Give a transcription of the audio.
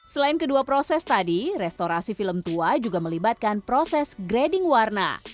selain kedua proses tadi restorasi film tua juga melibatkan proses grading warna